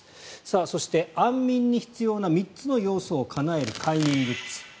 そして、安眠に必要な３つの要素をかなえる快眠グッズ。